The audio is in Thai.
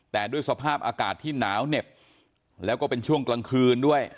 แต่ด้วยสภาพอากาศที่หนาวเหน็บแล้วก็เป็นช่วงกลางคืนด้วย